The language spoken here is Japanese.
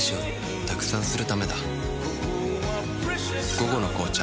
「午後の紅茶」